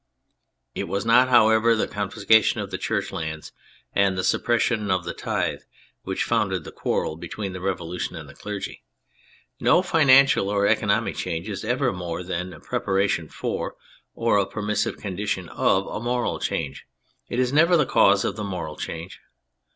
It was not, however, the confiscation of the Church lands and the suppression of the tithe which founded the quarrel between the Revolution and the clergy. No financial or economic change is ever more than a pre paration for, or a permissive condition of, a moral change. It is never the cause of a moral change.